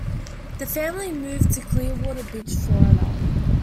The family moved to Clearwater Beach, Florida.